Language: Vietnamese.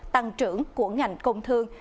tăng trưởng của ngành công thương